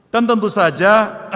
dan tentu saja